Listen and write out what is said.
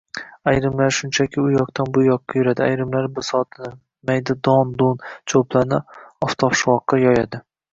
Ayrimlari shunchaki uyoqdan-buyoqqa yuradi, ayrimlari bisotini – mayda don-dun, choʻplarni oftobshuvoqqa yoyadi.